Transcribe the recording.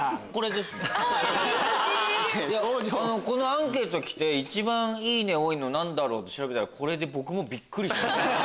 アンケート来て一番「いいね」多いの何だろう？って調べたらこれで僕もビックリしました。